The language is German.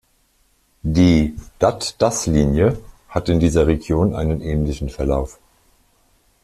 Die Dat-das-Linie hat in dieser Region einen ähnlichen Verlauf.